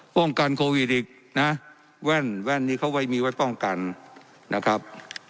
ป้องกันโควิดอีกนะแว่นแว่นนี้เขาไว้มีไว้ป้องกันนะครับ